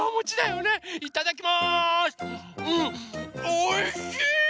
おいしい！